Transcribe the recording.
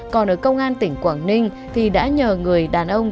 còn ở công an tỉnh quảng ninh thì đã nhờ người đàn ông